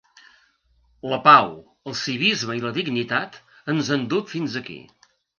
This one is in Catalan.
La pau, el civisme i la dignitat ens han dut fins aquí.